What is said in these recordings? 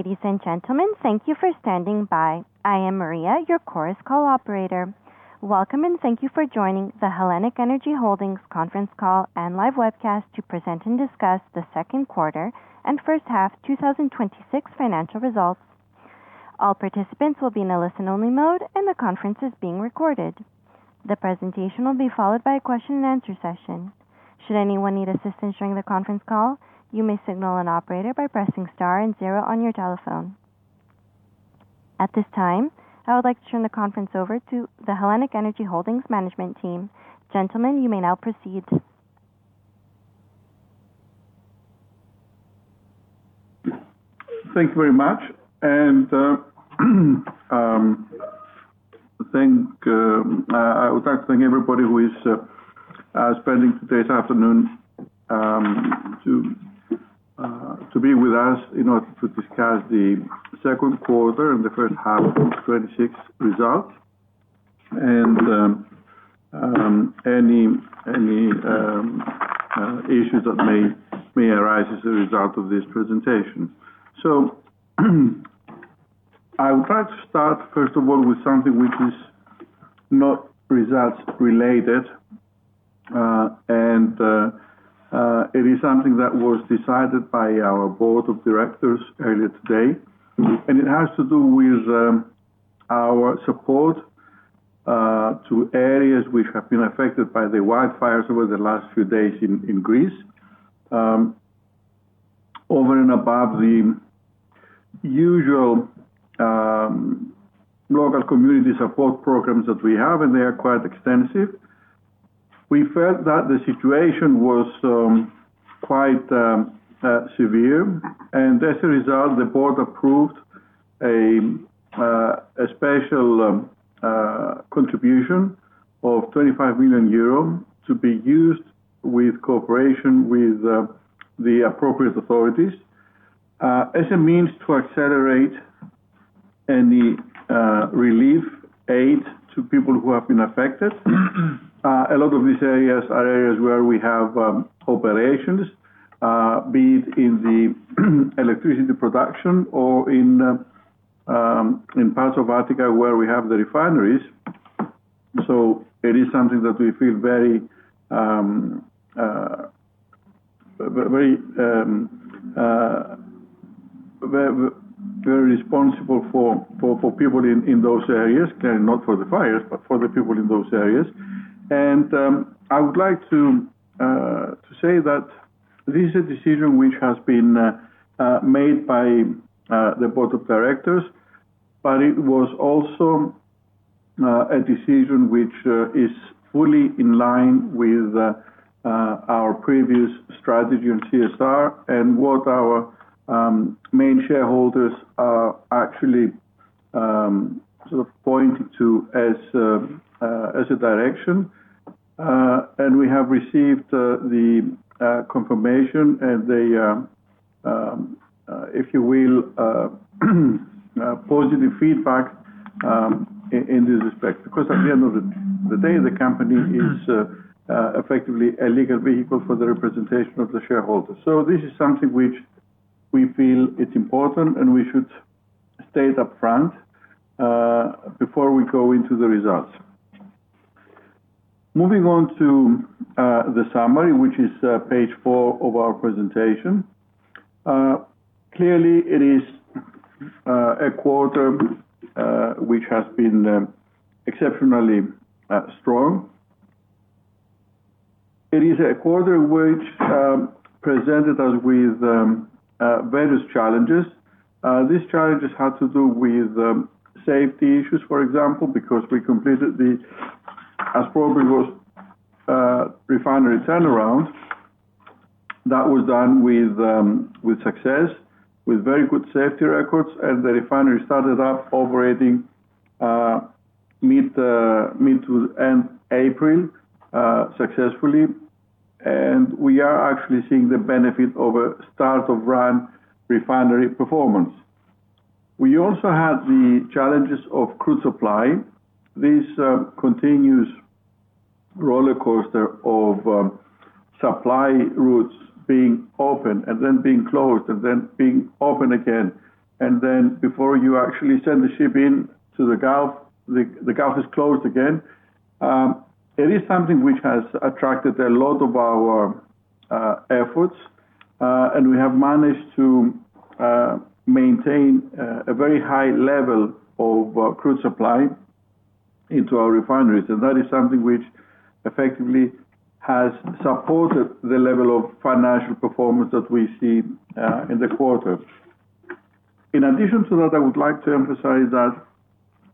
Ladies and gentlemen, thank you for standing by. I am Maria, your Chorus Call operator. Welcome, and thank you for joining the HELLENiQ ENERGY Holdings conference call and live webcast to present and discuss the second quarter and first half 2026 financial results. All participants will be in a listen-only mode, and the conference is being recorded. The presentation will be followed by a question and answer session. Should anyone need assistance during the conference call, you may signal an operator by pressing star and zero on your telephone. At this time, I would like to turn the conference over to the HELLENiQ ENERGY Holdings management team. Gentlemen, you may now proceed. Thank you very much. I would like to thank everybody who is spending today's afternoon to be with us in order to discuss the second quarter and the first half of 2026 results, and any issues that may arise as a result of this presentation. I would like to start, first of all, with something which is not results related, and it is something that was decided by our board of directors earlier today. It has to do with our support to areas which have been affected by the wildfires over the last few days in Greece. Over and above the usual local community support programs that we have, and they are quite extensive. We felt that the situation was quite severe, and as a result, the board approved a special contribution of 25 million euro to be used with cooperation with the appropriate authorities. As a means to accelerate any relief aid to people who have been affected. A lot of these areas are areas where we have operations, be it in the electricity production or in parts of Attica where we have the refineries. It is something that we feel very responsible for people in those areas. Clearly not for the fires, but for the people in those areas. I would like to say that this is a decision which has been made by the board of directors, but it was also a decision which is fully in line with our previous strategy on CSR and what our main shareholders are actually pointing to as a direction. We have received the confirmation and the, if you will, positive feedback in this respect. At the end of the day, the company is effectively a legal vehicle for the representation of the shareholders. This is something which we feel it's important, and we should state upfront, before we go into the results. Moving on to the summary, which is page four of our presentation. Clearly, it is a quarter which has been exceptionally strong. It is a quarter which presented us with various challenges. These challenges had to do with safety issues, for example, because we completed the Aspropyrgos Refinery turnaround. That was done with success, with very good safety records, and the refinery started up operating mid to end April successfully. We are actually seeing the benefit of a start of run refinery performance. We also had the challenges of crude supply. This continuous rollercoaster of supply routes being open, and then being closed, and then being open again. Before you actually send the ship in to the Gulf, the Gulf is closed again. It is something which has attracted a lot of our efforts, and we have managed to maintain a very high level of crude supply into our refineries. That is something which effectively has supported the level of financial performance that we see in the quarter. In addition to that, I would like to emphasize that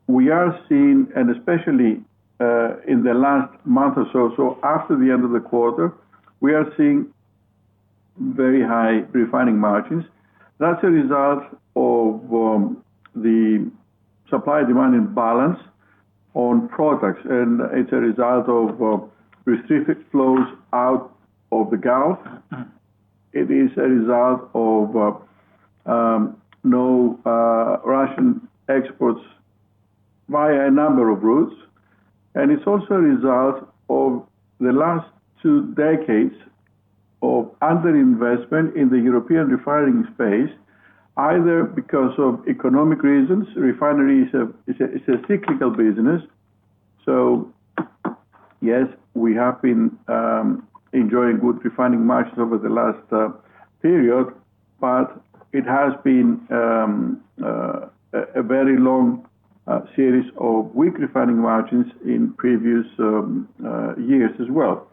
we are seeing, and especially in the last month or so, after the end of the quarter. We are seeing very high refining margins. That's a result of the supply-demand imbalance on products, and it's a result of restricted flows out of the Gulf. It is a result of no Russian exports via a number of routes, and it's also a result of the last two decades of underinvestment in the European refining space, either because of economic reasons. Refinery is a cyclical business, yes, we have been enjoying good refining margins over the last period, but it has been a very long series of weak refining margins in previous years as well.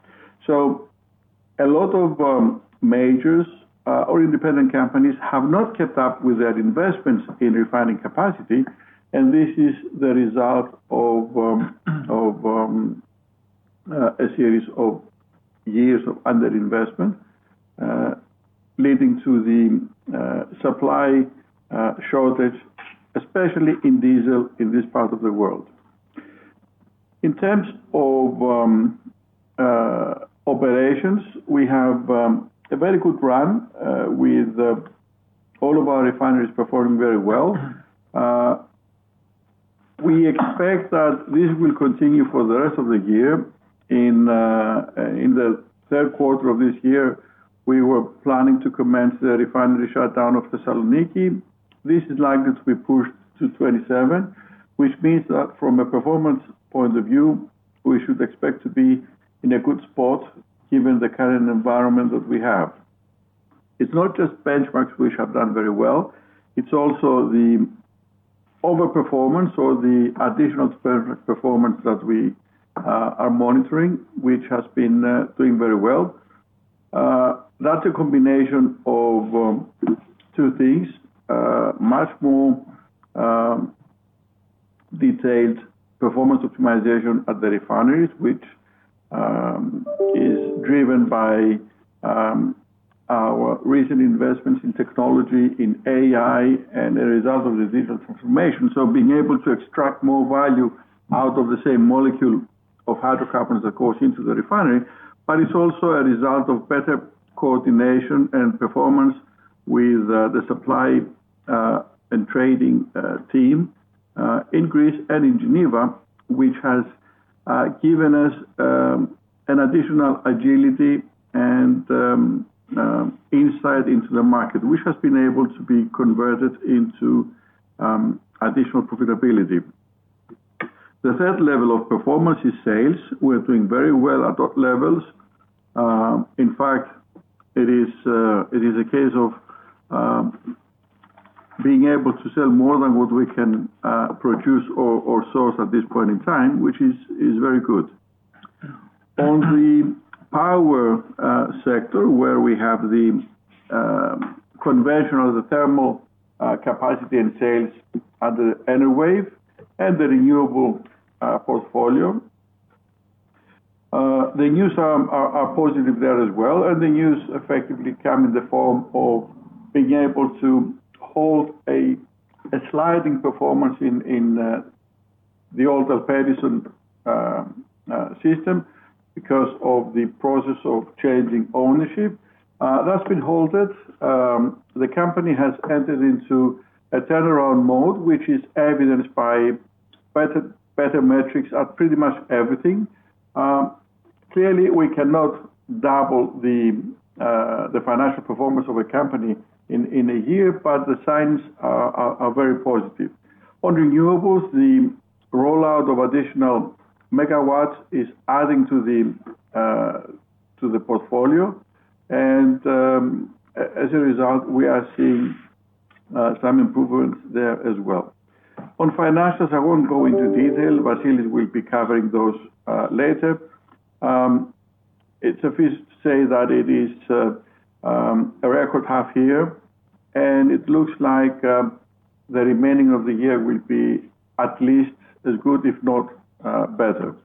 A lot of majors or independent companies have not kept up with their investments in refining capacity, and this is the result of a series of years of underinvestment, leading to the supply shortage, especially in diesel in this part of the world. In terms of operations, we have a very good run, with all of our refineries performing very well. We expect that this will continue for the rest of the year. In the third quarter of this year, we were planning to commence the refinery shutdown of Thessaloniki. This is likely to be pushed to 2027, which means that from a performance point of view, we should expect to be in a good spot given the current environment that we have. It's not just benchmarks which have done very well, it's also the overperformance or the additional performance that we are monitoring, which has been doing very well. That's a combination of two things. Much more detailed performance optimization at the refineries, which is driven by our recent investments in technology in AI and a result of the digital transformation. Being able to extract more value out of the same molecule of hydrocarbons that goes into the refinery, but it's also a result of better coordination and performance with the supply and trading team in Greece and in Geneva, which has given us an additional agility and insight into the market, which has been able to be converted into additional profitability. The third level of performance is sales. We are doing very well at those levels. In fact, it is a case of being able to sell more than what we can produce or source at this point in time, which is very good. On the power sector, where we have the conventional, the thermal capacity and sales under Enerwave and the renewable portfolio. The news are positive there as well. The news effectively come in the form of being able to hold a sliding performance in the old Elpedison system because of the process of changing ownership. That's been halted. The company has entered into a turnaround mode, which is evidenced by better metrics at pretty much everything. Clearly, we cannot double the financial performance of a company in a year, but the signs are very positive. On renewables, the rollout of additional megawatts is adding to the portfolio, and as a result, we are seeing some improvements there as well. On financials, I won't go into detail. Vasilis will be covering those later. It suffice to say that it is a record half year, and it looks like the remaining of the year will be at least as good, if not better.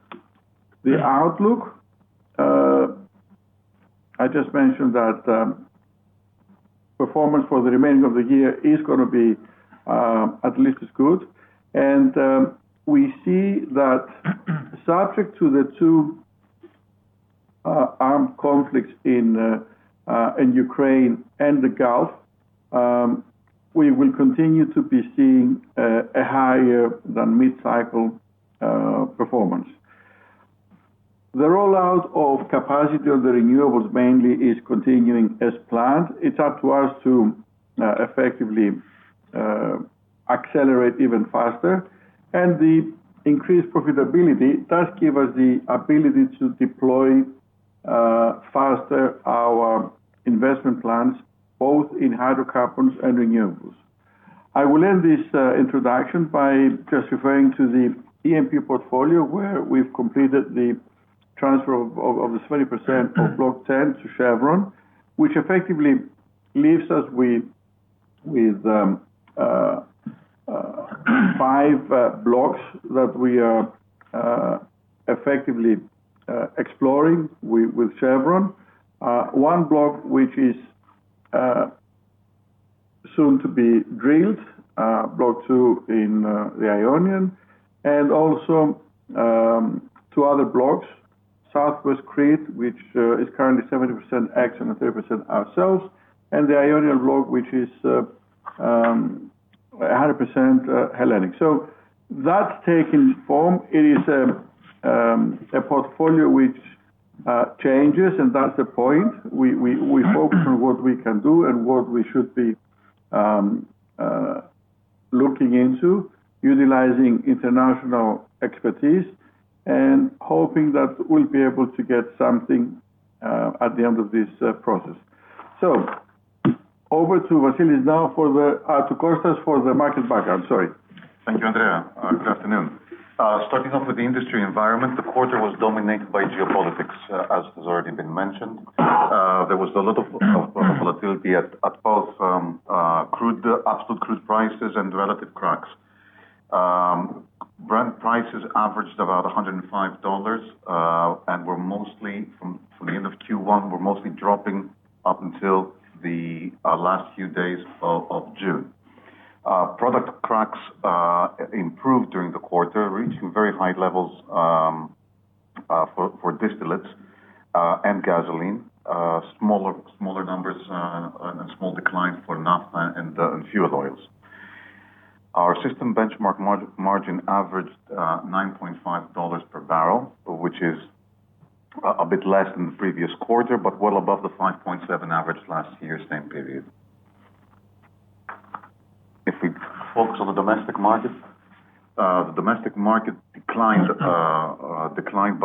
The outlook, I just mentioned that performance for the remaining of the year is going to be at least as good. We see that subject to the two armed conflicts in Ukraine and the Gulf, we will continue to be seeing a higher than mid-cycle performance. The rollout of capacity of the renewables mainly is continuing as planned. It's up to us to effectively accelerate even faster, and the increased profitability does give us the ability to deploy faster our investment plans, both in hydrocarbons and renewables. I will end this introduction by just referring to the E&P portfolio, where we've completed the transfer of the 70% of Block 10 to Chevron, which effectively leaves us with five blocks that we are effectively exploring with Chevron. One block, which is soon to be drilled, Block 2 in the Ionian, and also two other blocks South West Crete, which is currently 70% ExxonMobil and 30% ourselves, and the Ionian block, which is 100% Hellenic. That's taking form. It is a portfolio which changes. That's the point. We focus on what we can do and what we should be looking into, utilizing international expertise, hoping that we'll be able to get something at the end of this process. Over to Konstantinos now for the market backup. Sorry. Thank you, Andreas. Good afternoon. Starting off with the industry environment, the quarter was dominated by geopolitics, as has already been mentioned. There was a lot of volatility at both absolute crude prices and relative cracks. Brent prices averaged about $105. From the end of Q1, were mostly dropping up until the last few days of June. Product cracks improved during the quarter, reaching very high levels for distillates and gasoline. Smaller numbers and a small decline for Naphtha and fuel oils. Our system benchmark margin averaged $9.50 per barrel, which is a bit less than the previous quarter, but well above the $5.70 average last year, same period. If we focus on the domestic market, the domestic market declined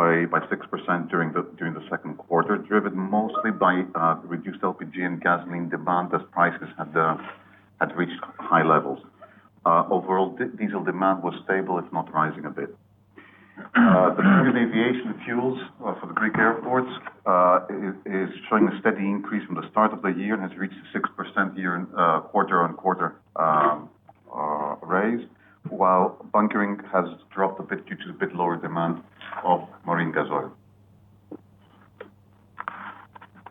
by 6% during the second quarter, driven mostly by the reduced LPG and gasoline demand as prices had reached high levels. Overall, diesel demand was stable, if not rising a bit. The demand in aviation fuels for the Greek airports is showing a steady increase from the start of the year and has reached 6% quarter-on-quarter raise, while bunkering has dropped a bit due to a bit lower demand of marine gas oil.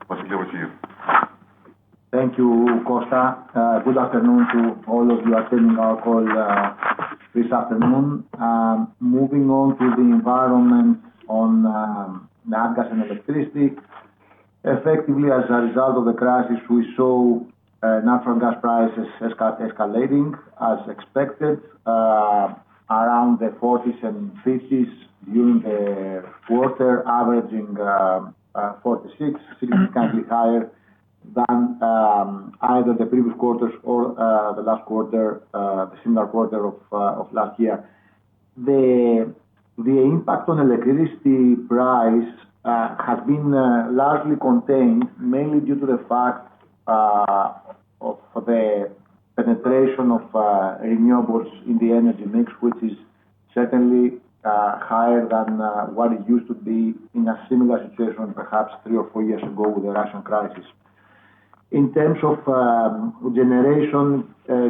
Vasilis, over to you. Thank you, Konsta. Good afternoon to all of you attending our call this afternoon. Moving on to the environment on nat gas and electricity. Effectively, as a result of the crisis, we saw natural gas prices escalating, as expected, around the 40s and 50s during the quarter, averaging 46, significantly higher than either the previous quarters or the similar quarter of last year. The impact on electricity price has been largely contained, mainly due to the fact of the penetration of renewables in the energy mix, which is certainly higher than what it used to be in a similar situation, perhaps three or four years ago with the Russian crisis. In terms of generation, the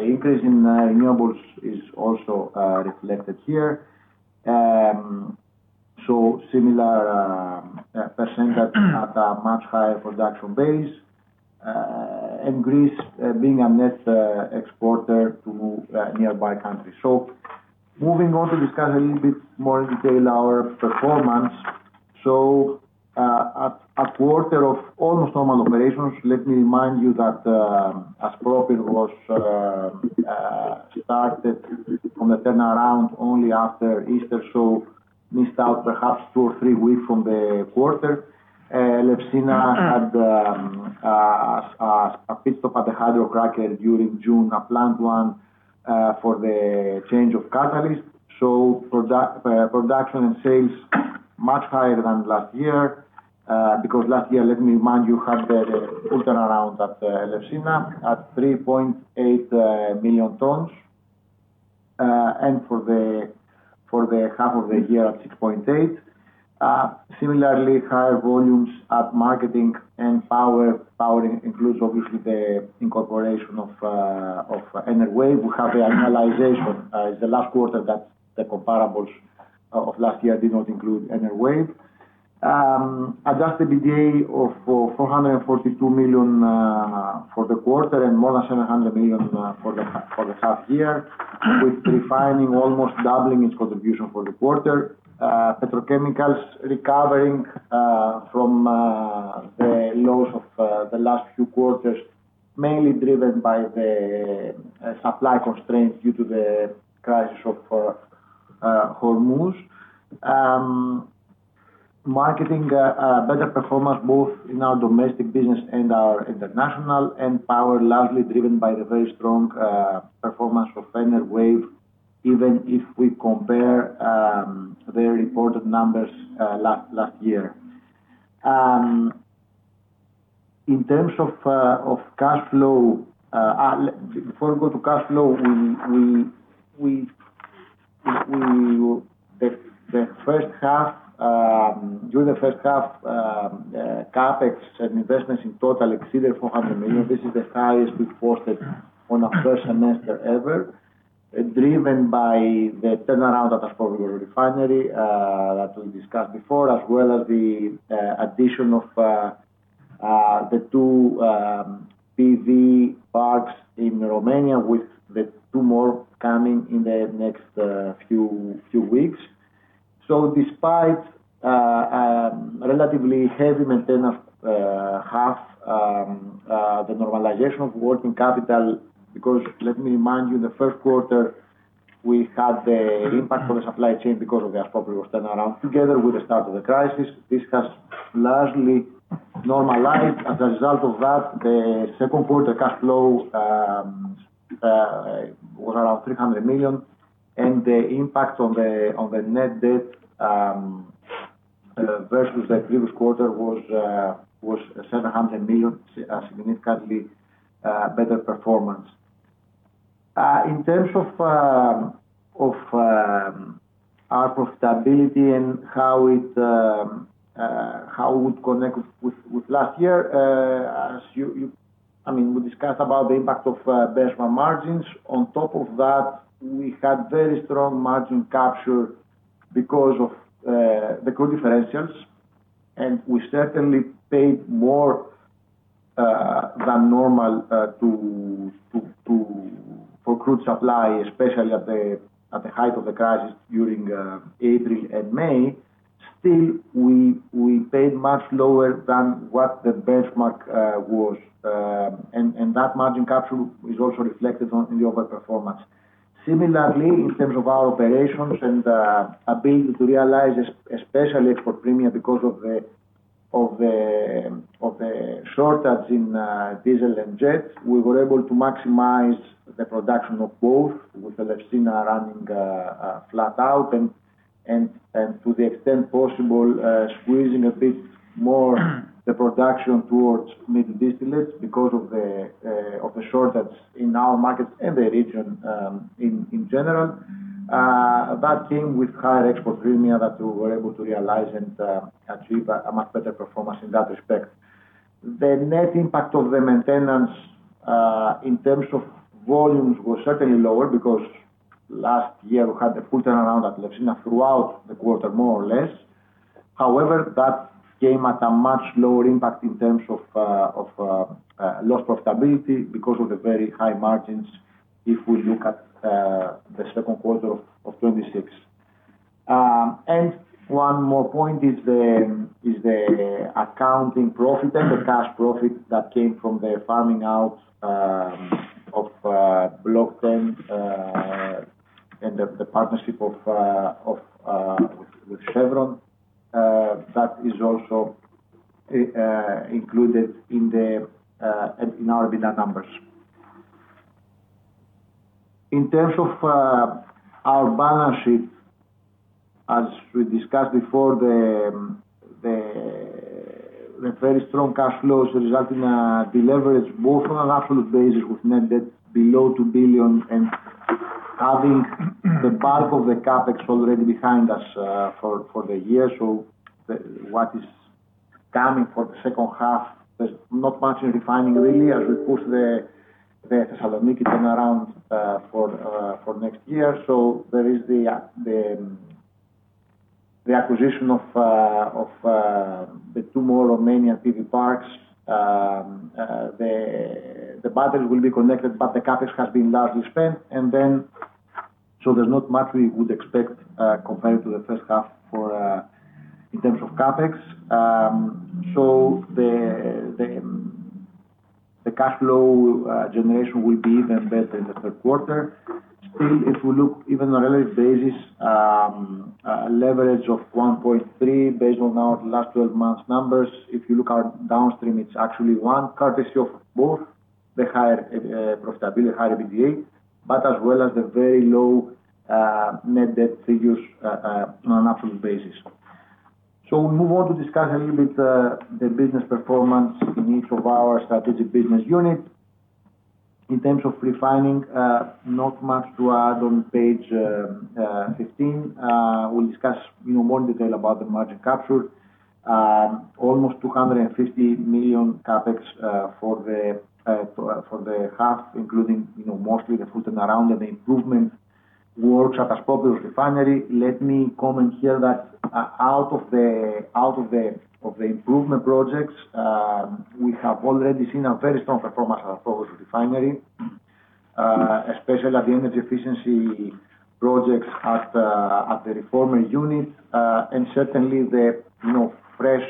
increase in renewables is also reflected here. Similar percentage at a much higher production base, and Greece being a net exporter to nearby countries. Moving on to discuss a little bit more in detail our performance. A quarter of almost normal operations. Let me remind you that Aspropyrgos was started from the turnaround only after Easter, missed out perhaps two or three weeks from the quarter. Elefsina had a pit stop at the hydrocracker during June, a planned one, for the change of catalyst. Production and sales, much higher than last year, because last year, let me remind you, had the full turnaround at Elefsina at 3.8 million tons. For the half of the year at 6.8. Similarly, higher volumes at marketing and power. Power includes, obviously, the incorporation of Enerwave. We have the annualization. It's the last quarter that the comparables of last year did not include Enerwave. Adjusted EBITDA of 442 million for the quarter and more than 700 million for the half year, with refining almost doubling its contribution for the quarter. Petrochemicals recovering from the lows of the last few quarters, mainly driven by the supply constraints due to the crisis of Hormuz. Marketing, a better performance both in our domestic business and our international, and power, largely driven by the very strong performance of Enerwave, even if we compare their reported numbers last year. Before we go to cash flow, during the first half, CapEx and investments in total exceeded 400 million. This is the highest reported on a first semester ever, driven by the turnaround at Aspropyrgos Refinery that we discussed before, as well as the addition of the two PV parks in Romania with the two more coming in the next few weeks. Despite a relatively heavy maintenance half, the normalization of working capital, because let me remind you, in the first quarter, we had the impact on the supply chain because of the Aspropyrgos turnaround together with the start of the crisis. This has largely normalized. As a result of that, the second quarter cash flow was around 300 million, and the impact on the net debt versus the previous quarter was 700 million, a significantly better performance. In terms of our profitability and how it would connect with last year, we discussed about the impact of benchmark margins. On top of that, we had very strong margin capture because of the crude differentials, and we certainly paid more than normal for crude supply, especially at the height of the crisis during April and May. Still, we paid much lower than what the benchmark was. That margin capture is also reflected in the overperformance. Similarly, in terms of our operations and ability to realize, especially export premium because of the shortage in diesel and jet, we were able to maximize the production of both, with Elefsina running flat out, and to the extent possible, squeezing a bit more the production towards mid distillates because of the shortage in our markets and the region in general. That came with higher export premium that we were able to realize and achieve a much better performance in that respect. The net impact of the maintenance in terms of volumes was certainly lower because last year we had the full turnaround at Elefsina throughout the quarter, more or less. However, that came at a much lower impact in terms of lost profitability because of the very high margins, if we look at the second quarter of 2026. One more point is the accounting profit and the cash profit that came from the farming out of Block 10 and the partnership with Chevron. That is also included in our EBITDA numbers. In terms of our balance sheet, as we discussed before, the very strong cash flows resulting in a deleverage both on an absolute basis with net debt below 2 billion and having the bulk of the CapEx already behind us for the year. What is coming for the second half, there's not much in refining really as we push the Thessaloniki turnaround for next year. There is the acquisition of the two more Romanian PV parks. The BESS will be connected, but the CapEx has been largely spent. There's not much we would expect compared to the first half in terms of CapEx. The cash flow generation will be even better in the third quarter. Still, if you look even on a relative basis, a leverage of 1.3 based on our last 12 months numbers. If you look at downstream, it's actually one courtesy of both the higher profitability, higher EBITDA, but as well as the very low net debt figures on an absolute basis. We move on to discuss a little bit the business performance in each of our strategic business unit. In terms of refining, not much to add on page 15. We'll discuss more in detail about the margin capture. Almost 250 million CapEx for the half, including mostly the full turnaround and the improvement works at Aspropyrgos Refinery. Let me comment here that out of the improvement projects, we have already seen a very strong performance at Aspropyrgos Refinery, especially at the energy efficiency projects at the reformer unit. Certainly the fresh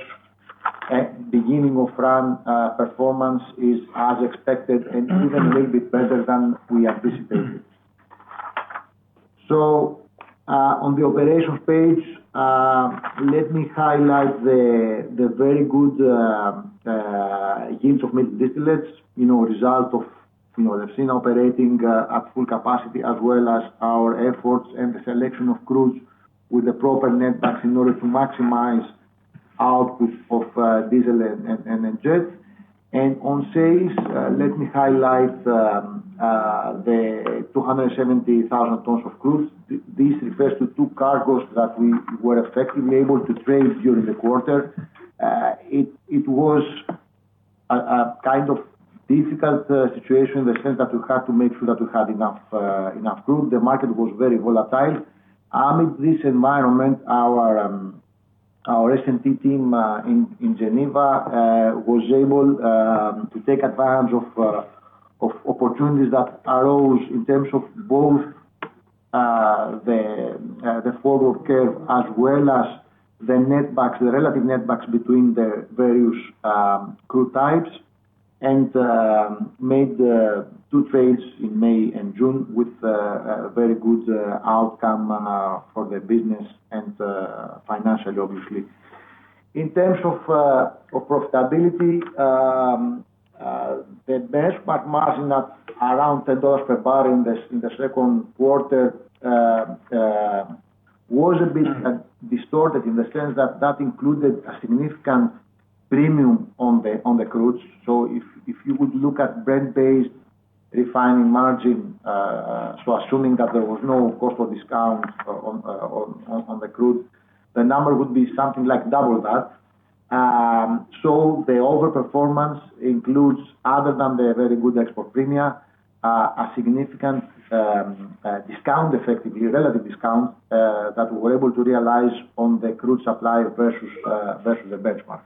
beginning of run performance is as expected and even a little bit better than we anticipated. On the operations page, let me highlight the very good yields of mid distillates, a result of Elefsina operating at full capacity, as well as our efforts and the selection of crews with the proper net backs in order to maximize output of diesel and jet. On sales, let me highlight the 270,000 tons of crude. This refers to two cargos that we were effectively able to trade during the quarter. It was a kind of difficult situation in the sense that we had to make sure that we had enough crude. The market was very volatile. Amid this environment, our S&T team in Geneva was able to take advantage of opportunities that arose in terms of both the forward curve as well as the relative net backs between the various crude types, and made two trades in May and June with a very good outcome for the business, and financially, obviously. In terms of profitability, the benchmark margin at around $10 per barrel in the second quarter was a bit distorted in the sense that that included a significant premium on the crudes. If you would look at Brent-based refining margin, assuming that there was no cost or discount on the crude, the number would be something like double that. The over-performance includes other than the very good export premium, a significant discount, effectively, a relative discount, that we were able to realize on the crude supply versus the benchmark.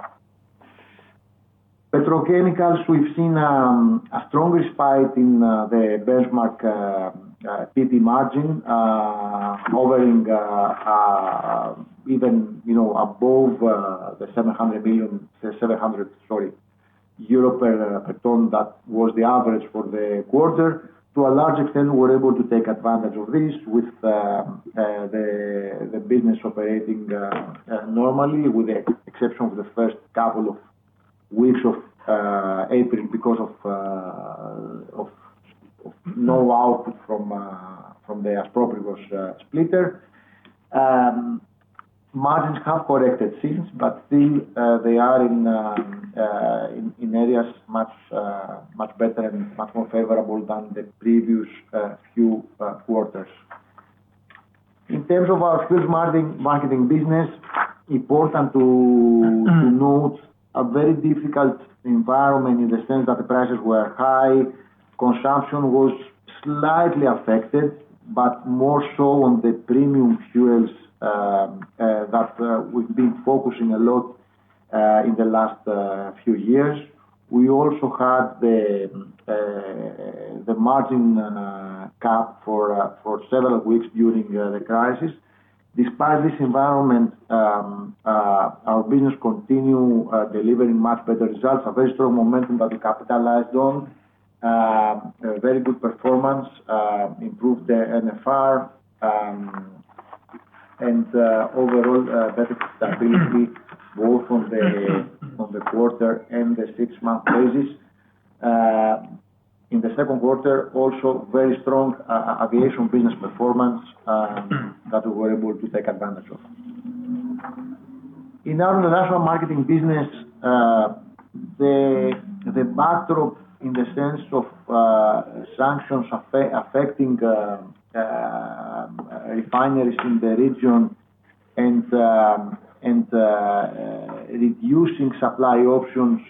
Petrochemicals, we've seen a strong spike in the benchmark PP margin, hovering even above the 700 EUR per ton. That was the average for the quarter. To a large extent, we were able to take advantage of this with the business operating normally, with the exception of the first couple of weeks of April because of no output from the Aspropyrgos splitter. Margins have corrected since, but still, they are in areas much better and much more favorable than the previous few quarters. In terms of our fuels marketing business, important to note, a very difficult environment in the sense that the prices were high. Consumption was slightly affected, but more so on the premium fuels that we've been focusing a lot on in the last few years. We also had the margin cap for several weeks during the crisis. Despite this environment, our business continued delivering much better results. A very strong momentum that we capitalized on. A very good performance, improved NFR, and overall, better stability, both on the quarter and the six-month basis. In the second quarter, also, very strong aviation business performance that we were able to take advantage of. In our international marketing business, the backdrop in the sense of sanctions affecting refineries in the region and reducing supply options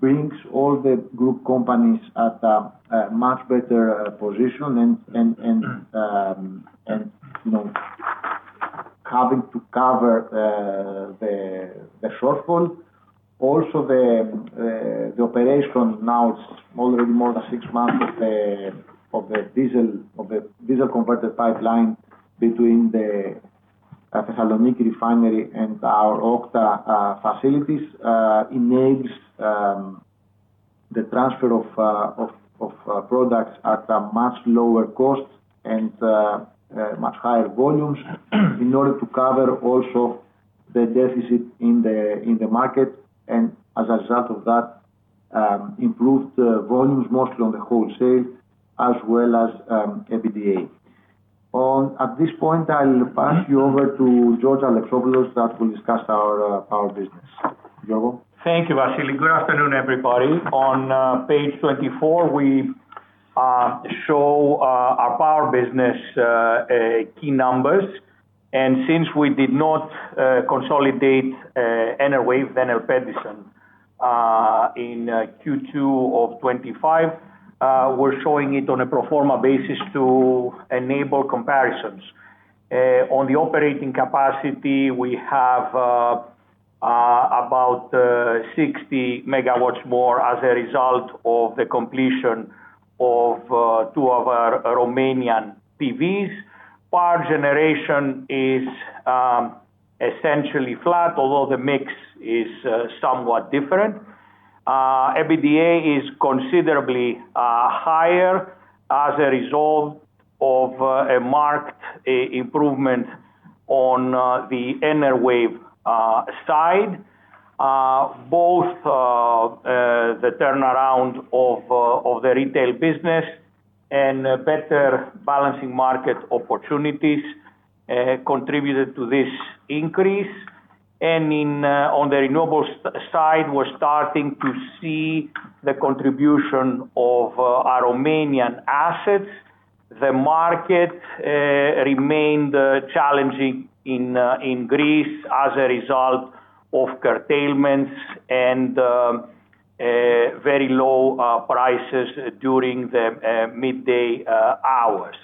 brings all the group companies at a much better position, and having to cover the shortfall. The operation now, it's already more than six months of the diesel converted pipeline between the Thessaloniki refinery and our OKTA facilities enables the transfer of products at a much lower cost and much higher volumes in order to cover also the deficit in the market, and as a result of that, improved volumes, mostly on the wholesale, as well as EBITDA. At this point, I'll pass you over to George Alexopoulos, that will discuss our power business. George? Thank you, Vasilis. Good afternoon, everybody. On page 24, we show our power business key numbers. Since we did not consolidate Enerwave and Elpedison in Q2 of 2025, we're showing it on a pro forma basis to enable comparisons. On the operating capacity, we have about 60 MW more as a result of the completion of two of our Romanian PVs. Power generation is essentially flat, although the mix is somewhat different. EBITDA is considerably higher as a result of a marked improvement on the Enerwave side. Both the turnaround of the retail business and better balancing market opportunities contributed to this increase. On the renewables side, we're starting to see the contribution of our Romanian assets. The market remained challenging in Greece as a result of curtailments and very low prices during the midday hours.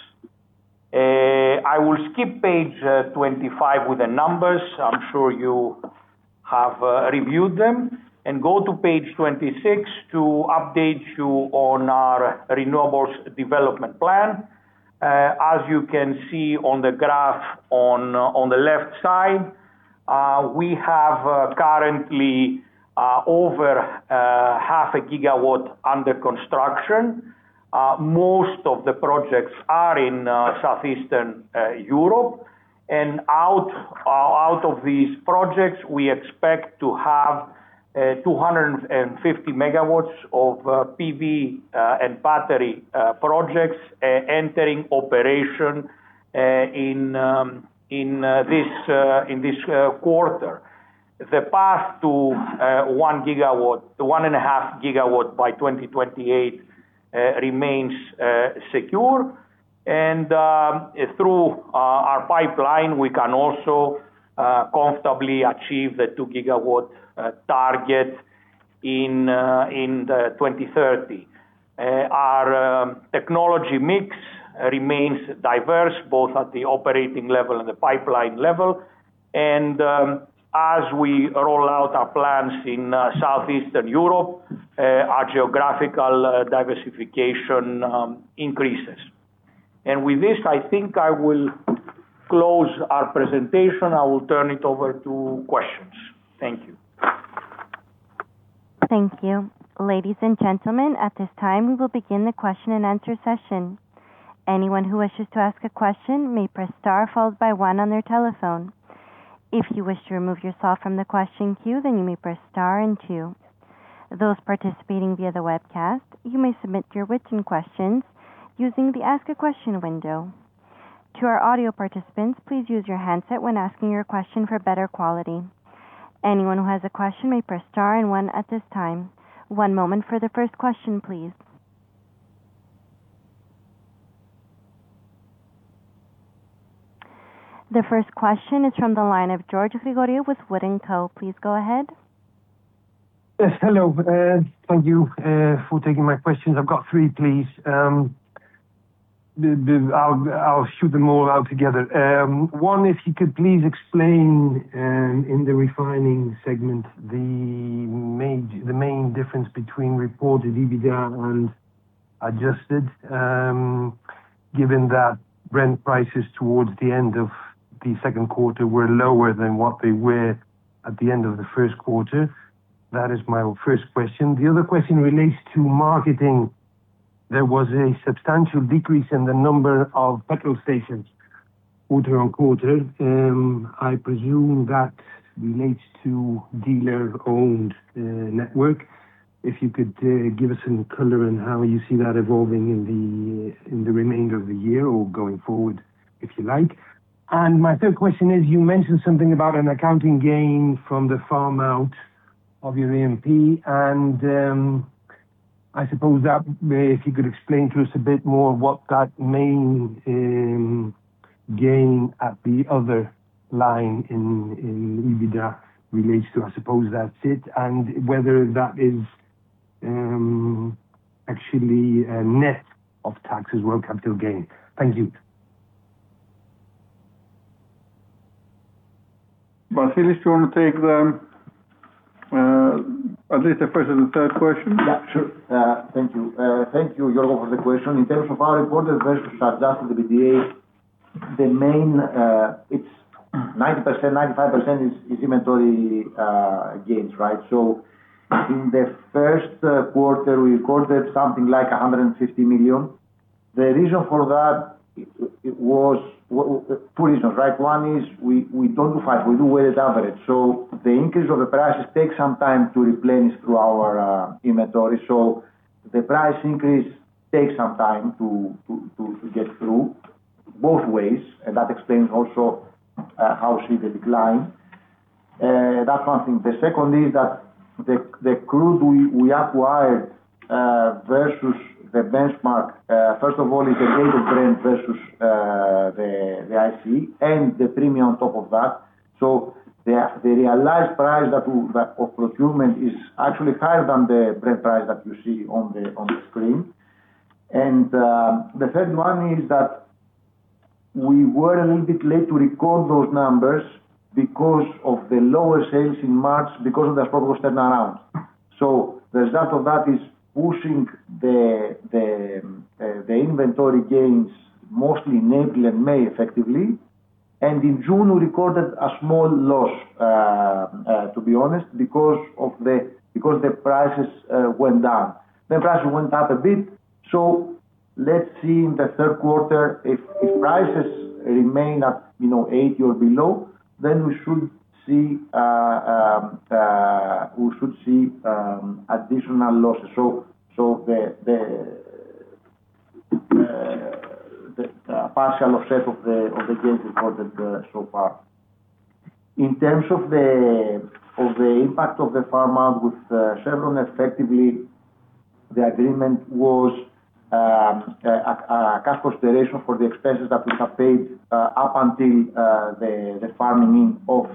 I will skip page 25 with the numbers, I'm sure you have reviewed them, and go to page 26 to update you on our renewables development plan. As you can see on the graph on the left side, we have currently over half a gigawatt under construction. Most of the projects are in Southeastern Europe. Out of these projects, we expect to have 250 MW of PV and battery projects entering operation in this quarter. The path to 1.5 GW by 2028 remains secure. Through our pipeline, we can also comfortably achieve the 2 GW target in 2030. Our technology mix remains diverse, both at the operating level and the pipeline level. As we roll out our plans in Southeastern Europe, our geographical diversification increases. With this, I think I will close our presentation. I will turn it over to questions. Thank you. Thank you. Ladies and gentlemen, at this time, we will begin the question and answer session. Anyone who wishes to ask a question may press star followed by one on their telephone. If you wish to remove yourself from the question queue, you may press star and two. Those participating via the webcast, you may submit your written questions using the Ask a Question window. To our audio participants, please use your handset when asking your question for better quality. Anyone who has a question may press star one at this time. One moment for the first question, please. The first question is from the line of George Grigoriou with Wood & Co. Please go ahead. Yes. Hello. Thank you for taking my questions. I've got three, please. I'll shoot them all out together. One, if you could please explain in the refining segment, the main difference between reported EBITDA and adjusted, given that Brent prices towards the end of the second quarter were lower than what they were at the end of the first quarter. That is my first question. The other question relates to marketing. There was a substantial decrease in the number of petrol stations quarter-over-quarter. I presume that relates to dealer-owned network. If you could give us some color on how you see that evolving in the remainder of the year or going forward, if you like. My third question is, you mentioned something about an accounting gain from the farm out of your E&P, if you could explain to us a bit more what that main gain at the other line in EBITDA relates to. Whether that is actually net of taxes, or capital gain. Thank you. Vasilis, do you want to take at least the first and the third question? Yeah, sure. Thank you. Thank you, George, for the question. In terms of our reported versus adjusted EBITDA, 95% is inventory gains. In the first quarter, we recorded something like 150 million. The reason for that, two reasons. One is we don't do FIFO, we do weighted average. The increase of the prices takes some time to replenish through our inventory. The price increase takes some time to get through both ways, and that explains also how we see the decline. That's one thing. The second is that the crude we acquired versus the benchmark, first of all, is the date of Brent versus the ICE, and the premium on top of that. The realized price of procurement is actually higher than the Brent price that you see on the screen. The third one is that we were a little bit late to record those numbers because of the lower sales in March, because of the Aspropyrgos turnaround. The result of that is pushing the inventory gains mostly in April and May effectively. In June, we recorded a small loss, to be honest, because the prices went down. The prices went up a bit. Let's see in the third quarter if prices remain at 80 or below, then we should see additional losses. The partial offset of the gains recorded so far. In terms of the impact of the farm out with Chevron, effectively the agreement was a cash consideration for the expenses that we have paid up until the farming of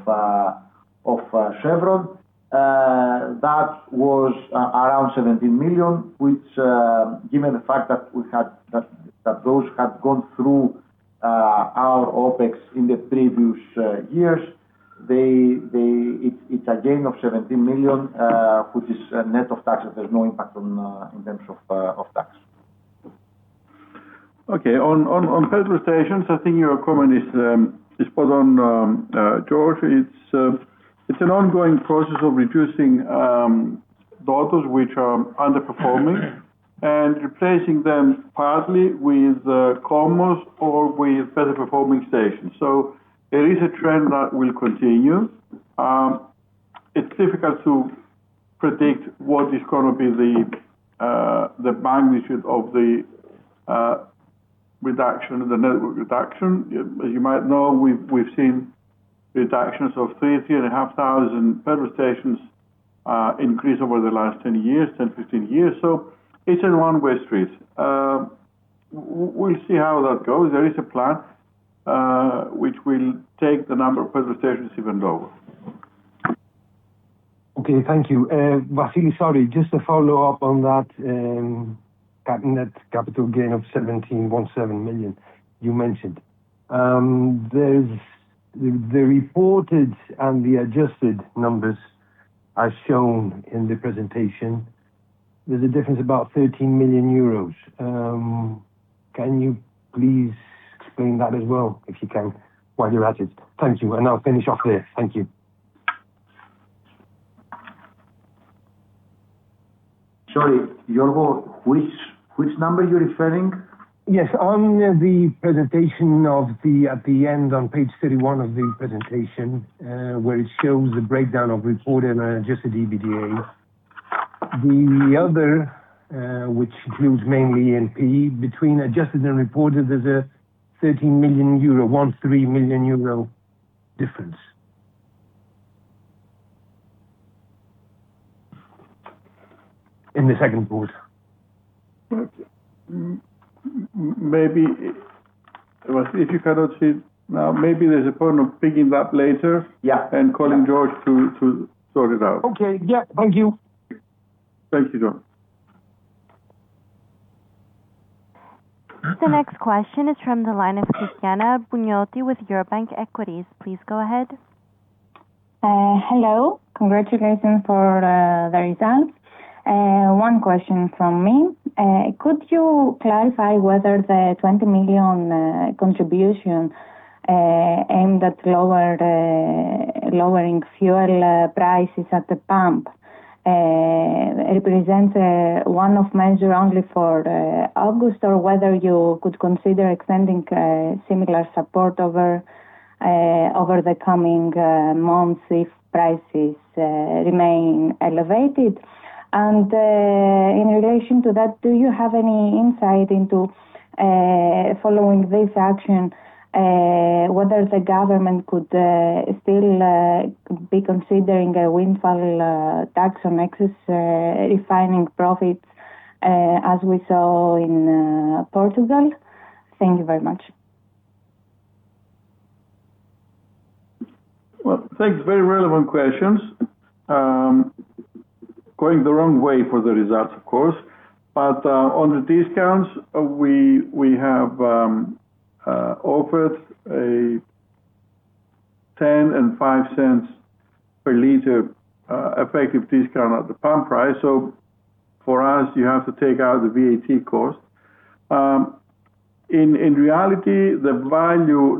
Chevron. That was around 17 million, which given the fact that those have gone through our OpEx in the previous years, it's a gain of 17 million, which is net of taxes. There's no impact in terms of tax. Okay. On petrol stations, I think your comment is spot on, George. It's an ongoing process of reducing the DODOs, which are underperforming and replacing them partly with CODOs or with better performing stations. It is a trend that will continue. It's difficult to predict what is going to be the magnitude of the network reduction. As you might know, we've seen reductions of 3,000, 3,500 petrol stations increase over the last 10 years, 10-15 years. It's a one way street. We'll see how that goes. There is a plan, which will take the number of petrol stations even lower. Okay. Thank you. Vasilis, sorry, just to follow up on that net capital gain of 17.17 million you mentioned. The reported and the adjusted numbers are shown in the presentation. There's a difference about 13 million euros. Can you please explain that as well, if you can, while you're at it? Thank you, and I'll finish off here. Thank you. Sorry, Grigoriou, which number you're referring? Yes. On the presentation at the end on page 31 of the presentation, where it shows the breakdown of reported and adjusted EBITDA. The other, which includes mainly NP, between adjusted and reported, there's a 13 million euro difference. In the second booth. Okay. Maybe, Vasilis, if you cannot see it now, maybe there's a point of picking that later. Yeah. Calling George to sort it out. Okay. Yeah. Thank you. Thank you, George. The next question is from the line of Christiana Armpounioti with Eurobank Equities. Please go ahead. Hello. Congratulations for the results. One question from me. Could you clarify whether the 20 million contribution aimed at lowering fuel prices at the pump represents one-off measure only for August, or whether you could consider extending similar support over the coming months if prices remain elevated? In relation to that, do you have any insight into following this action, whether the government could still be considering a windfall tax on excess refining profits, as we saw in Portugal? Thank you very much. Well, thanks. Very relevant questions. Going the wrong way for the results, of course. On the discounts, we have offered a 0.10 and 0.05 per liter effective discount at the pump price. For us, you have to take out the VAT cost. In reality, the value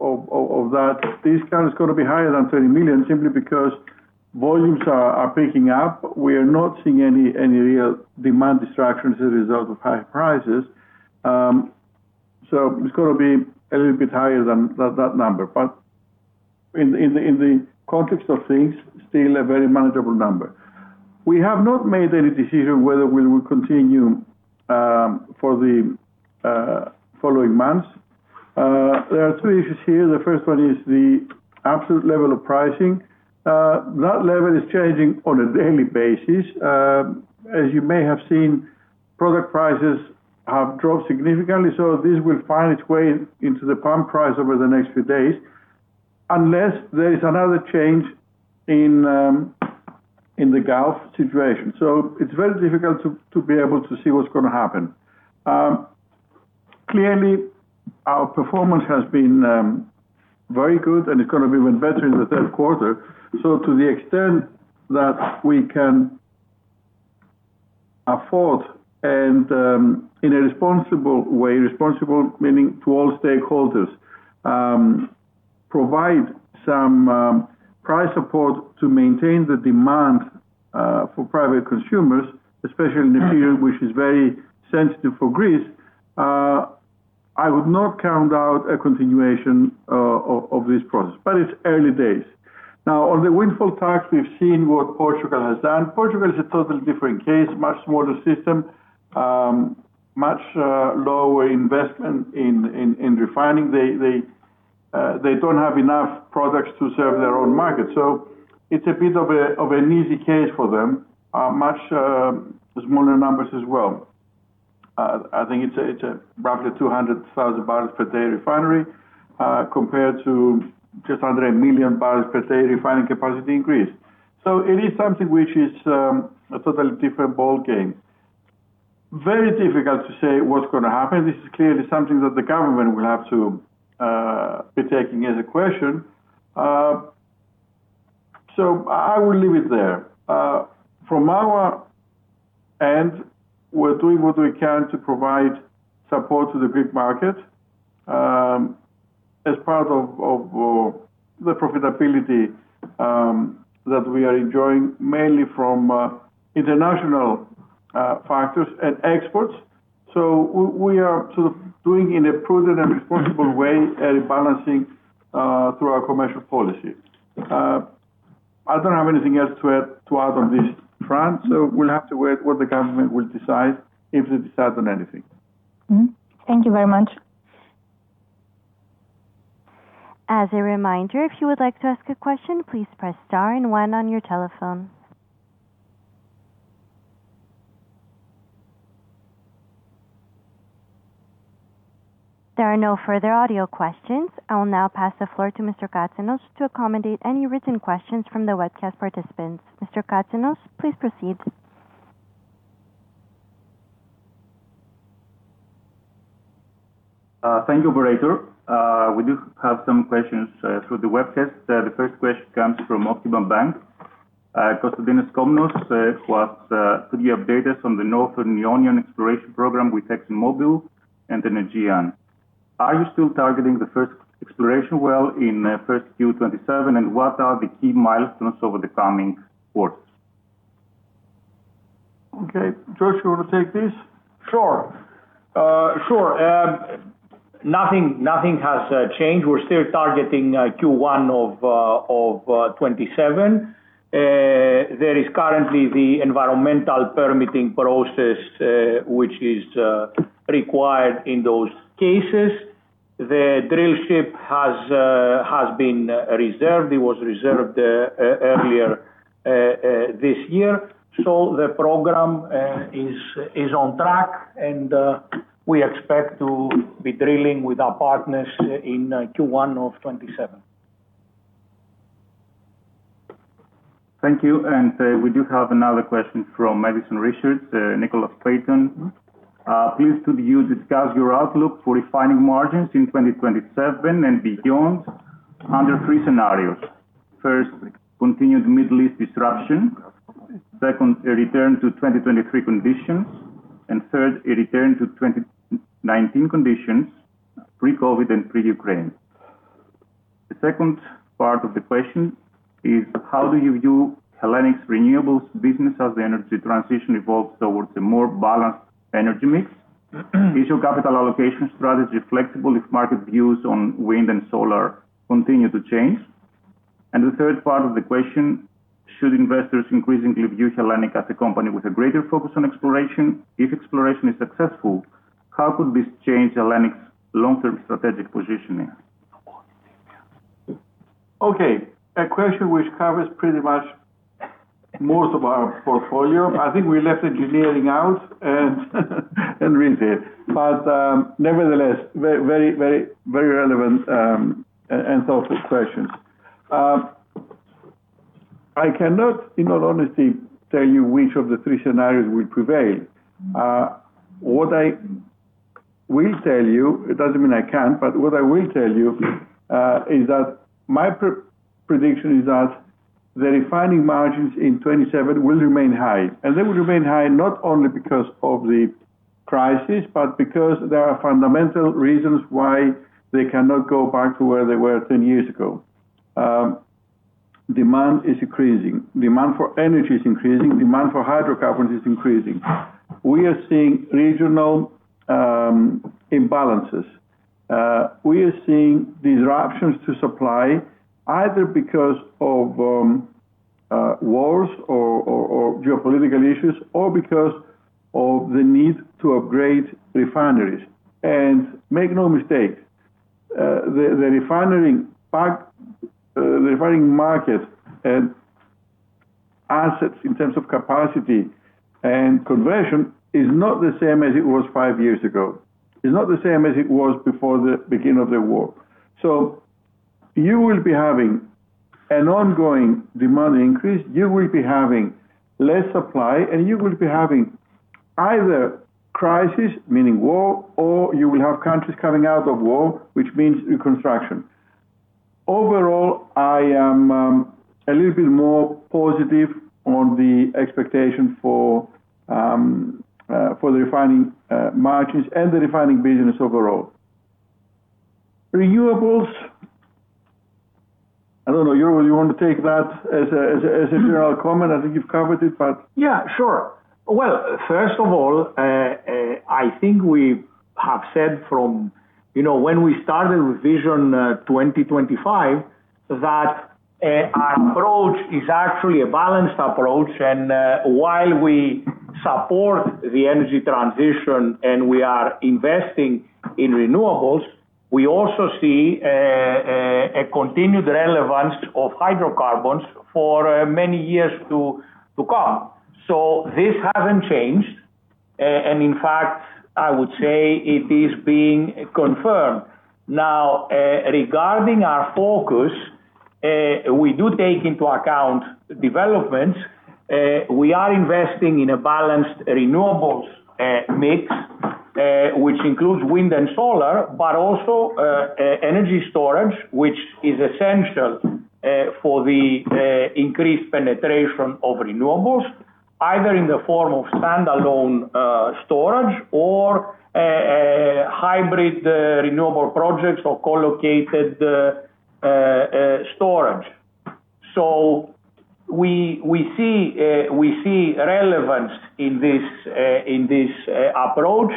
of that discount is going to be higher than 30 million, simply because volumes are picking up. We are not seeing any real demand destruction as a result of high prices. It's going to be a little bit higher than that number. In the context of things, still a very manageable number. We have not made any decision whether we will continue for the following months. There are two issues here. The first one is the absolute level of pricing. That level is changing on a daily basis. As you may have seen, product prices have dropped significantly, this will find its way into the pump price over the next few days, unless there is another change in the Arabian Gulf situation. It's very difficult to be able to see what's going to happen. Clearly, our performance has been very good, and it's going to be even better in the third quarter. To the extent that we can afford and, in a responsible way, responsible meaning to all stakeholders, provide some price support to maintain the demand for private consumers, especially in the period, which is very sensitive for Greece, I would not count out a continuation of this process. It's early days. Now, on the windfall tax, we've seen what Portugal has done. Portugal is a totally different case, much smaller system, much lower investment in refining. They don't have enough products to serve their own market. It's a bit of an easy case for them. Much smaller numbers as well. I think it's roughly 200,000 barrels per day refinery, compared to just under one million barrels per day refining capacity increase. It is something which is a totally different ball game. Very difficult to say what's going to happen. This is clearly something that the government will have to be taking as a question. I will leave it there. From our end, we're doing what we can to provide support to the Greek market, as part of the profitability that we are enjoying, mainly from international factors and exports. We are sort of doing in a prudent and responsible way, a rebalancing through our commercial policy. I don't have anything else to add on this front, so we'll have to wait what the government will decide, if they decide on anything. Thank you very much. As a reminder, if you would like to ask a question, please press star and one on your telephone. There are no further audio questions. I will now pass the floor to Mr. Katsenos to accommodate any written questions from the webcast participants. Mr. Katsenos, please proceed. Thank you, operator. We do have some questions through the webcast. The first question comes from Optima Bank. Konstantinos Komnos, who asks, "Could you update us on the North Ionian exploration program with ExxonMobil and Energean? Are you still targeting the first exploration well in first Q2 2027, and what are the key milestones over the coming quarters? Okay. George, you want to take this? Sure. Nothing has changed. We're still targeting Q1 of 2027. There is currently the environmental permitting process, which is required in those cases. The drill ship has been reserved. It was reserved earlier this year. The program is on track, and we expect to be drilling with our partners in Q1 of 2027. Thank you. We do have another question from Edison Research, Nicholas Layton. "Please could you discuss your outlook for refining margins in 2027 and beyond under three scenarios? First, continued Middle East disruption. Second, a return to 2023 conditions. Third, a return to 2019 conditions, pre-COVID and pre-Ukraine. The second part of the question is, how do you view HELLENiQ's renewables business as the energy transition evolves towards a more balanced energy mix? Is your capital allocation strategy flexible if market views on wind and solar continue to change? The third part of the question, should investors increasingly view HELLENiQ as a company with a greater focus on exploration? If exploration is successful, how could this change HELLENiQ's long-term strategic positioning? Okay. A question which covers pretty much most of our portfolio. I think we left engineering out and retail. Nevertheless, very relevant and thoughtful question. I cannot, in all honesty, tell you which of the three scenarios will prevail. What I will tell you, it doesn't mean I can't, but what I will tell you is that my prediction is that the refining margins in 2027 will remain high. They will remain high not only because of the crisis, but because there are fundamental reasons why they cannot go back to where they were 10 years ago. Demand is increasing. Demand for energy is increasing. Demand for hydrocarbons is increasing. We are seeing regional imbalances. We are seeing disruptions to supply, either because of wars or geopolitical issues, or because of the need to upgrade refineries. Make no mistake, the refining market and assets in terms of capacity and conversion is not the same as it was five years ago. It is not the same as it was before the beginning of the war. You will be having an ongoing demand increase, you will be having less supply, and you will be having either crisis, meaning war, or you will have countries coming out of war, which means reconstruction. Overall, I am a little bit more positive on the expectation for the refining margins and the refining business overall. Renewables, I do not know, you want to take that as a general comment? I think you have covered it. Yeah, sure. First of all, I think we have said from when we started with Vision 2025, that our approach is actually a balanced approach. While we support the energy transition and we are investing in renewables, we also see a continued relevance of hydrocarbons for many years to come. This has not changed, and in fact, I would say it is being confirmed. Regarding our focus, we do take into account developments. We are investing in a balanced renewables mix, which includes wind and solar, but also energy storage, which is essential for the increased penetration of renewables, either in the form of standalone storage or hybrid renewable projects or co-located storage. We see relevance in this approach,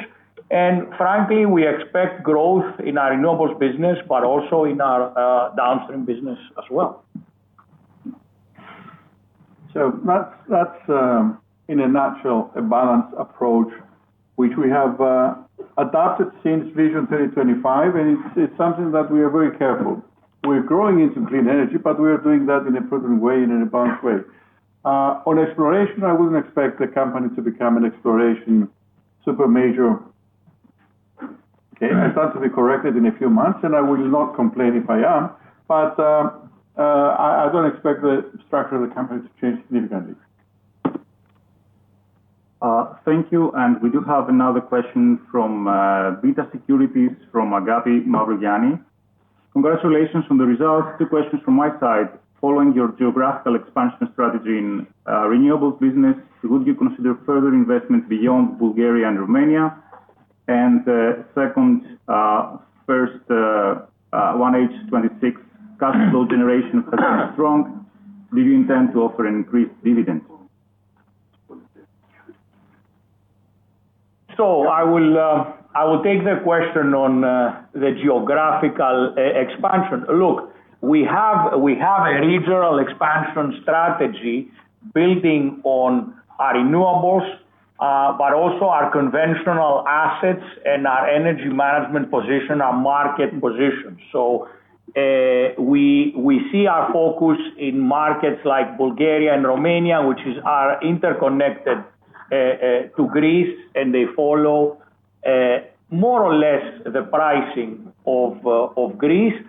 and frankly, we expect growth in our renewables business, but also in our downstream business as well. That is in a natural balanced approach, which we have adapted since Vision 2025, and it is something that we are very careful. We are growing into green energy, but we are doing that in a prudent way and in a balanced way. On exploration, I would not expect the company to become an exploration super major. Okay? I stand to be corrected in a few months, and I will not complain if I am. I do not expect the structure of the company to change significantly. Thank you. We do have another question from Beta Securities, from Agapi Mavrogianni. Congratulations on the results. Two questions from my side. Following your geographical expansion strategy in renewables business, would you consider further investment beyond Bulgaria and Romania? First, 1H 2026 cash flow generation has been strong. Do you intend to offer an increased dividend? I will take the question on the geographical expansion. Look, we have a regional expansion strategy building on our renewables, but also our conventional assets and our energy management position, our market position. We see our focus in markets like Bulgaria and Romania, which are interconnected to Greece, and they follow more or less the pricing of Greece.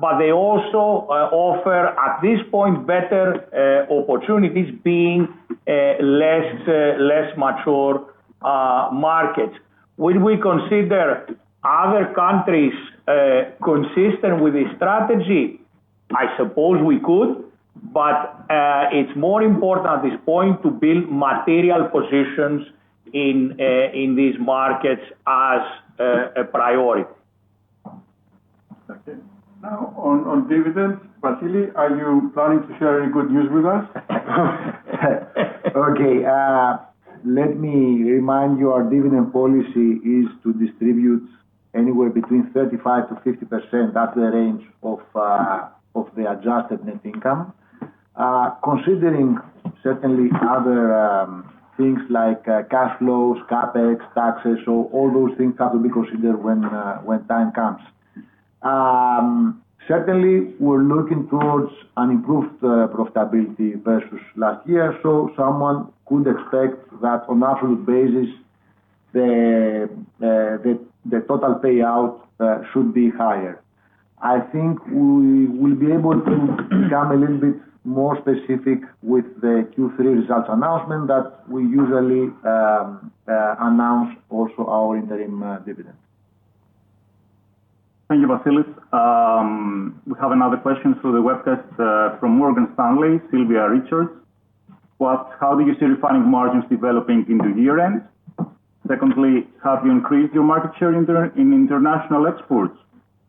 They also offer, at this point, better opportunities, being less mature markets. Will we consider other countries consistent with this strategy? I suppose we could, but it is more important at this point to build material positions in these markets as a priority. Okay. Now, on dividends, Vasilis, are you planning to share any good news with us? Okay. Let me remind you, our dividend policy is to distribute anywhere between 35%-50%, that is the range of the adjusted net income. Considering certainly other things like cash flows, CapEx, taxes, so all those things have to be considered when time comes. Certainly, we are looking towards an improved profitability versus last year. Someone could expect that on absolute basis, the total payout should be higher. I think we will be able to become a little bit more specific with the Q3 results announcement, that we usually announce also our interim dividend. Thank you, Vasilis. We have another question through the webcast from Morgan Stanley, Silvia Richards. How do you see refining margins developing into year-end? Secondly, have you increased your market share in international exports,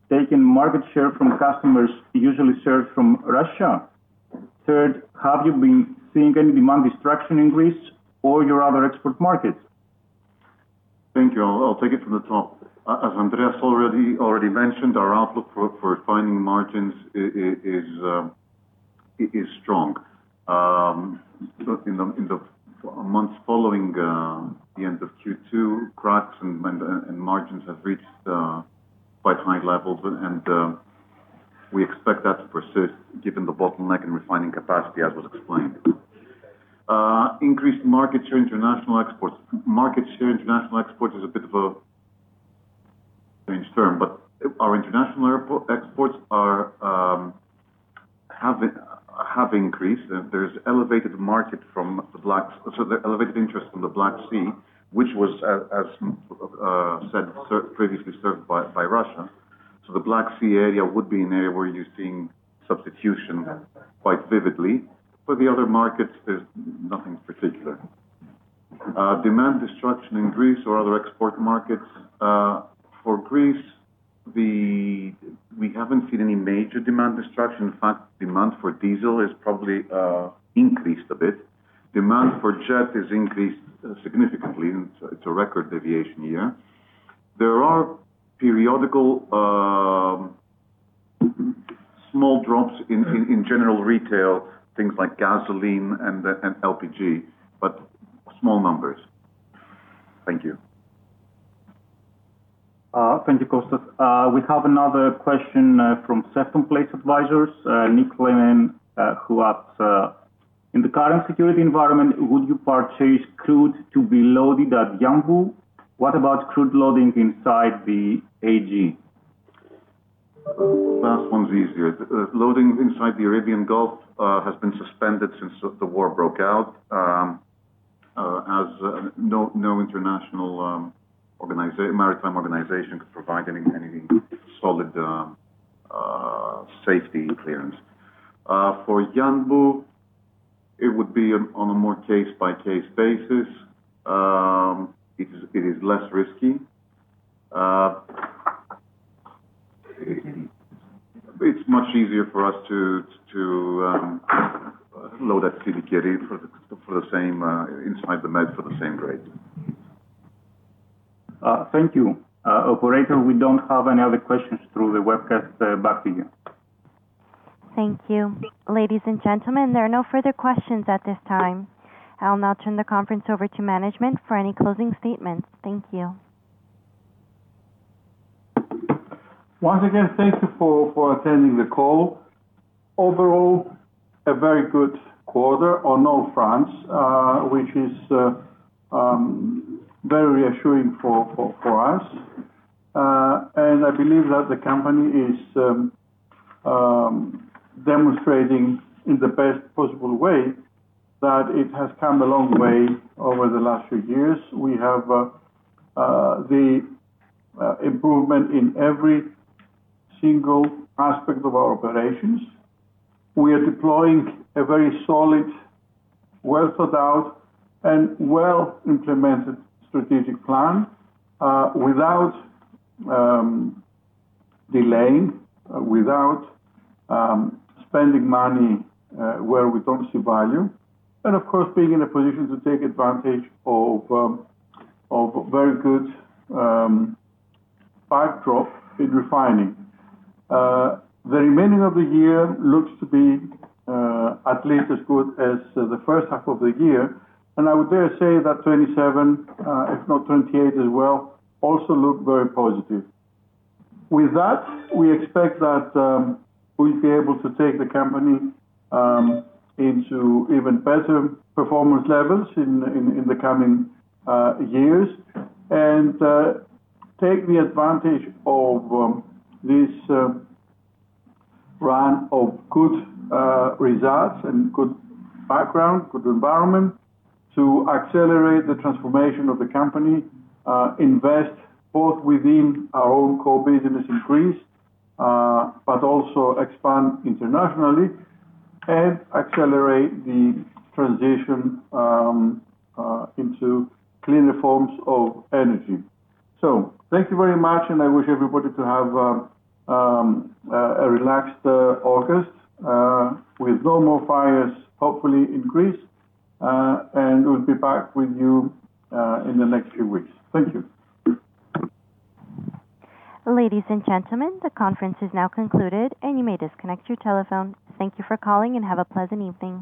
taking market share from customers usually served from Russia? Third, have you been seeing any demand destruction in Greece or your other export markets? Thank you. I'll take it from the top. As Andreas already mentioned, our outlook for refining margins is strong. In the months following the end of Q2, cracks and margins have reached quite high levels, and we expect that to persist given the bottleneck in refining capacity, as was explained. Increased market share international exports. Market share international exports is a bit of a strange term, but our international exports have increased. There's elevated interest from the Black Sea, which was, as said, previously served by Russia. The Black Sea area would be an area where you're seeing substitution quite vividly. For the other markets, there's nothing particular. Demand destruction in Greece or other export markets. For Greece, we haven't seen any major demand destruction. In fact, demand for diesel has probably increased a bit. Demand for jet has increased significantly. It's a record aviation year. There are small drops in general retail, things like gasoline and LPG, but small numbers. Thank you. Thank you, Konsta. We have another question from Second Place Advisors, Nick LaLonde, who asks, "In the current security environment, would you purchase crude to be loaded at Yanbu? What about crude loading inside the Arabian Gulf? Last one's easier. Loading inside the Arabian Gulf has been suspended since the war broke out, as no international maritime organization could provide any solid safety clearance. For Yanbu, it would be on a more case-by-case basis. It is less risky. It's much easier for us to load at Sidi Kerir inside the Med for the same grade. Thank you. Operator, we don't have any other questions through the webcast. Back to you. Thank you. Ladies and gentlemen, there are no further questions at this time. I'll now turn the conference over to management for any closing statements. Thank you. Once again, thank you for attending the call. Overall, a very good quarter on all fronts, which is very reassuring for us. I believe that the company is demonstrating, in the best possible way, that it has come a long way over the last few years. We have the improvement in every single aspect of our operations. We are deploying a very solid, well-thought-out, and well-implemented strategic plan without delaying, without spending money where we don't see value. Of course, being in a position to take advantage of very good backdrop in refining. The remaining of the year looks to be at least as good as the first half of the year. I would dare say that 2027, if not 2028 as well, also look very positive. With that, we expect that we'll be able to take the company into even better performance levels in the coming years. Take the advantage of this run of good results and good background, good environment to accelerate the transformation of the company, invest both within our own core business in Greece, but also expand internationally and accelerate the transition into cleaner forms of energy. Thank you very much. I wish everybody to have a relaxed August, with no more fires, hopefully, in Greece. We'll be back with you in the next few weeks. Thank you. Ladies and gentlemen, the conference is now concluded, and you may disconnect your telephone. Thank you for calling, and have a pleasant evening.